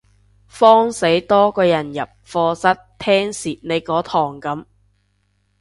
慌死多個人入課室聽蝕你嗰堂噉